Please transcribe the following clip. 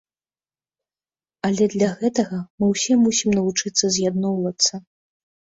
Але для гэтага мы ўсе мусім навучыцца з'ядноўвацца.